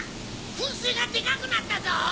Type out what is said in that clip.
噴水がデカくなったぞ！